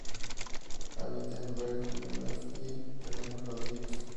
Habita en lugares muy húmedos y terrenos baldíos.